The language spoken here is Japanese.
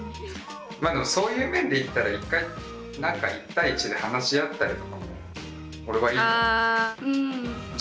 まあでもそういう面でいったら１回１対１で話し合ったりとかも俺はいいと思いますね。